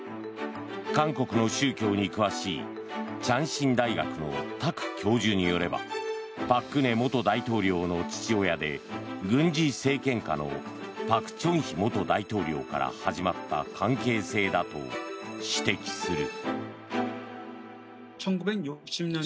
韓国の宗教に詳しい昌信大学のタク教授によれば朴槿惠元大統領の父親で軍事政権下の朴正煕元大統領から始まった関係性だと指摘する。